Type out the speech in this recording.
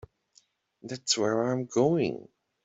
That's where I'm going.